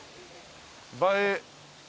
映え。